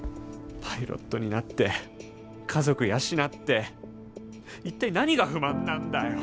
パイロットになって家族養って一体何が不満なんだよ。